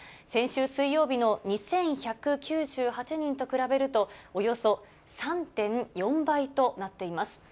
先週水曜日の２１９８人と比べると、およそ３．４倍となっています。